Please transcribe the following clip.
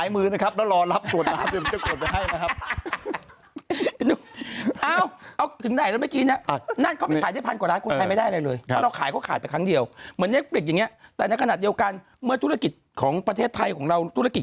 เมื่อธุรกิจของประเทศไทยของเราธุรกิจการสร้างซีรีส์